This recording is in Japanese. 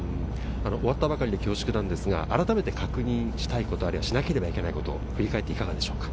終わったばかりで恐縮なんですが、改めて確認したいこと、あるいはしなければいけないこと、振り返っていかがでしょうか。